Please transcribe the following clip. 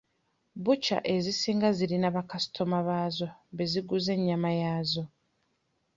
Bbukya ezisinga zirina ba kaasitoma baazo be ziguza ennyama yaazo.